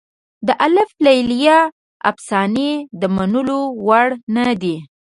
د الف لیله افسانې د منلو وړ نه دي.